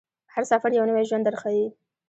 هر سفر یو نوی ژوند درښيي.